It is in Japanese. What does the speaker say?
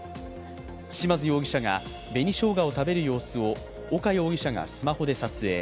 嶋津容疑者が紅しょうがを食べる様子を岡容疑者がスマホで撮影。